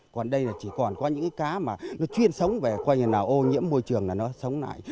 còn đây chỉ còn có những cá mà nó chuyên sống về ô nhiễm môi trường là nó sống lại